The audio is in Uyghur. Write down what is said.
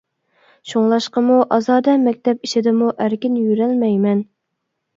شۇڭلاشقىمۇ ئازادە مەكتەپ ئىچىدىمۇ ئەركىن يۈرەلمەيمەن.